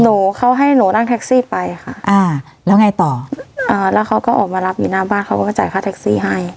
หนูเขาให้หนูนั่งแท็กซี่ไปค่ะอ่าแล้วไงต่ออ่าแล้วเขาก็ออกมารับอยู่หน้าบ้านเขาก็จ่ายค่าแท็กซี่ให้